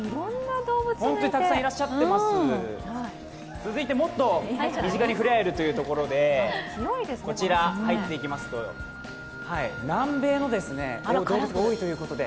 続いてはですね、もっと身近にふれあえるところということでこちら入っていきますと南米の動物が多いということで